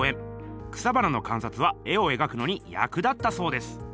草花のかんさつは絵を描くのにやく立ったそうです。